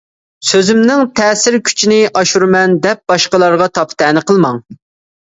سۆزۈمنىڭ تەسىر كۈچىنى ئاشۇرىمەن دەپ باشقىلارغا تاپا-تەنە قىلما.